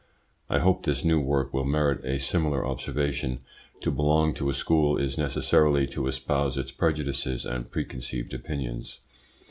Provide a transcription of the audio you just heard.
I hope this new work will merit a similar observation. To belong to a school is necessarily to espouse its prejudices and preconceived opinions.